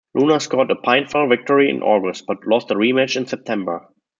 Luna scored a pinfall victory in August, but lost a rematch in September.